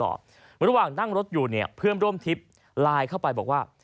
ตอนนั่งรถอยู่เพิ่มร่วมทริปไลน์เข้าไปแล้วว่า